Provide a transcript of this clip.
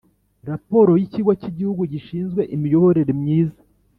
Raporo yikigo cyigihugu gishinzwe imiyoborere myiza